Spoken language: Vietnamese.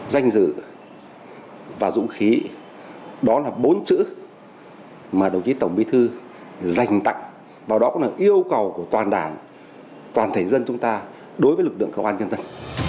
danh dự và dũng khí đó là bốn chữ mà đồng chí tổng bí thư dành tặng và đó cũng là yêu cầu của toàn đảng toàn thể dân chúng ta đối với lực lượng công an nhân dân